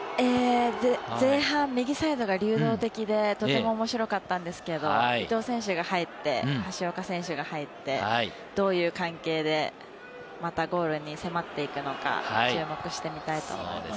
前半、右サイドが流動的で、とても面白かったんですけれども、伊東選手が入って、橋岡選手が入って、どういう関係でまたゴールに迫っていくのか注目して見たいと思います。